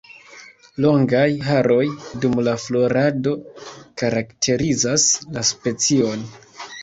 Longaj haroj dum la florado karakterizas la specion.